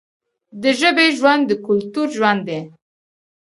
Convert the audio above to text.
د ژبې ژوند د کلتور ژوند دی.